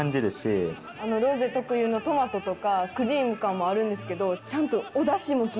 あのロゼ特有のトマトとかクリーム感もあるんですけどちゃんと。